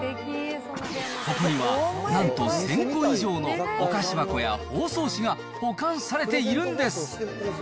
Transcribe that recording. ここには、なんと１０００個以上のお菓子箱や包装紙が保管されているんです。